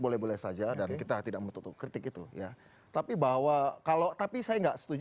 boleh boleh saja dan kita tidak menutup kritik itu ya tapi bahwa kalau tapi saya enggak setuju